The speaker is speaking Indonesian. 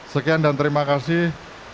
sekian dan terima kasih